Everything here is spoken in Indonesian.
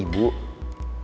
emang deket sama ibu